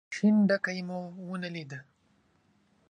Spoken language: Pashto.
شين ډکی مو ونه ليد.